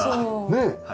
ねえ。